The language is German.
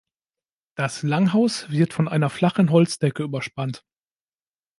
Das Langhaus wird von einer flachen Holzdecke überspannt.